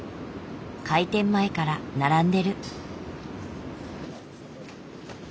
開店前から並んでる。